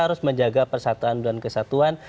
harus menjaga persatuan dan kesatuan